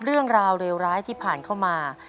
เรื่องราวเลวร้ายที่ผ่านเข้ามา